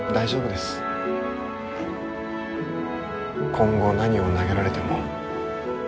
今後何を投げられても。